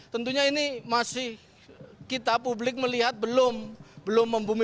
tentunya ini masih kita publik melihat belum membumi